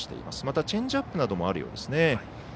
またチェンジアップなどもあるようですね。